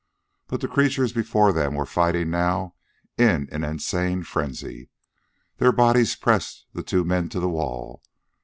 But the creatures before them were fighting now in an insane frenzy. Their bodies pressed the two men to the wall.